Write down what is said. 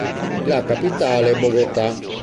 La capitale è Bogotà.